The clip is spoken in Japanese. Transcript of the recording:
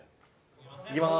いきます。